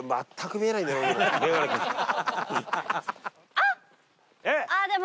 あっ！